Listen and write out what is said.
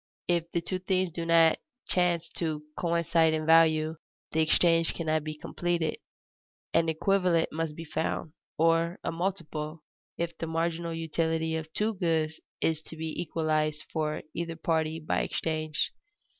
If the two things do not chance to coincide in value, the exchange cannot be completed. An equivalent must be found, or a multiple, if the marginal utility of two goods is to be equalized for either party by exchange.